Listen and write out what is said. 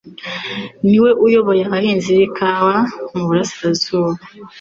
niwe uyoboye abahinzi bikawa mu ntara y'iburasirazuba